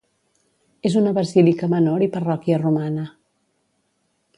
És una basílica menor i parròquia romana.